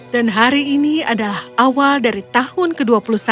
dan hari ini adalah awal dari tahun ke dua puluh satu